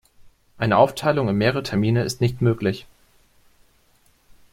Eine Aufteilung in mehrere Termine ist nicht möglich.